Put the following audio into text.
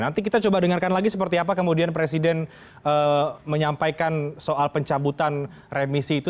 nanti kita coba dengarkan lagi seperti apa kemudian presiden menyampaikan soal pencabutan remisi itu